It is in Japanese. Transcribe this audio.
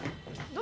何？